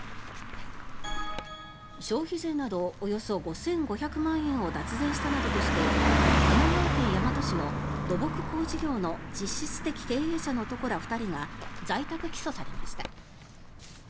消費税などおよそ５５００万円を脱税したなどとして神奈川県大和市の土木工事業の実質的経営者の男ら２人が在宅起訴されました。